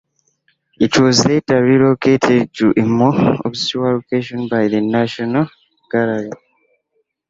It was later relocated to a more obscure location by the National Gallery.